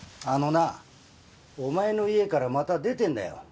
あのなお前の家からまた出てんだよ。